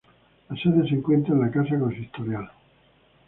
La sede se encuentra en la casa consistorial.